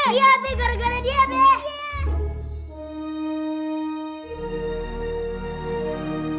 iya be gara gara dia be